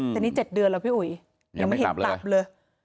แต่นี่๗เดือนแล้วพี่อุ๋ยยังไม่เห็นกลับเลย